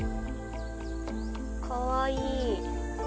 かわいい。